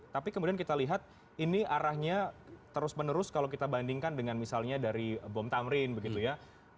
tapi kemudian kita lihat ini arahnya terus menerus kalau kita bandingkan dengan misalnya dari bom tamrin begitu ya